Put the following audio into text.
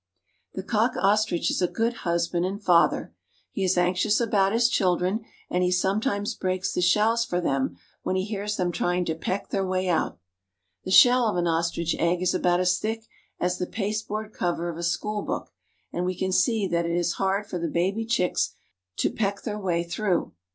The cock ostrich is a good husband and father. He is anxious about his children, and he sometimes breaks the shells for them when he hears them trying to peck their way out. The shell of an ostrich egg is about as thick as the pasteboard cover of a school book, and we can see that it is hard for the baby chicks to peck their way through.